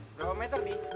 berapa meter nih